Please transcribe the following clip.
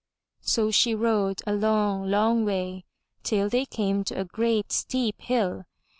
So she rode a long, long way till they came to a great steep hill.